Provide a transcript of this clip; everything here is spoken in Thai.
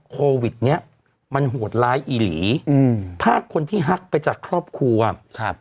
โควิดเนี้ยมันโหดร้ายอีหลีอืมภาคคนที่ฮักไปจากครอบครัวครับ